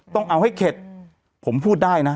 ต้องเอาให้เข็ดผมพูดได้นะ